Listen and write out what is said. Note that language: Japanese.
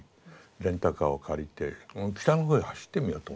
レンタカーを借りて北のほうへ走ってみようと思った。